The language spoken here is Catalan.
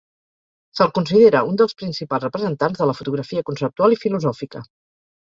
Se'l considera un dels principals representants de la fotografia conceptual i filosòfica.